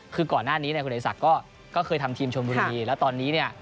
คือก่อนหน้านี้เนี่ยคุณเอกศักดิ์ก็เคยทำทีมชนบุรีแล้วตอนนี้เนี่ย